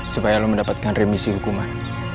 supaya lo mendapatkan remisi hukuman